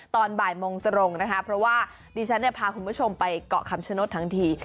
ตอนบ่ายโมงตรงนะคะเพราะว่าดิฉันพาคุณผู้ชมไปเกาะคำชโนธทันที